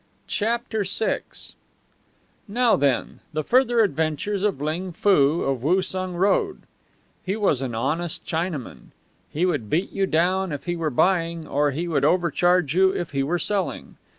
CHAPTER VI Now, then, the further adventures of Ling Foo of Woosung Road. He was an honest Chinaman. He would beat you down if he were buying, or he would overcharge you if he were selling.